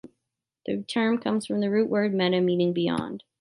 The term comes from the root word "meta", meaning "beyond".